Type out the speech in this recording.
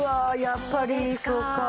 やっぱりそうか。